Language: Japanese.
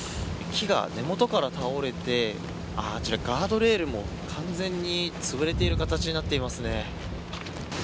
木が根元から倒れてあちら、ガードレールも完全に倒れている形になっていますね。